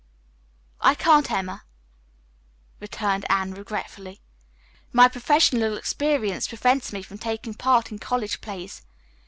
"I can't, Emma," returned Anne regretfully. "My professional experience prevents me from taking part in college plays.